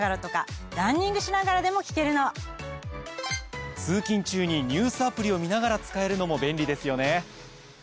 通勤中にニュースアプリを見ながら使えるのも便利ですよね。